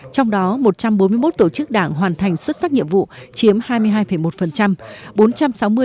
trong đó một trăm bốn mươi một tổ chức đảng hoàn thành xuất sắc nhiệm vụ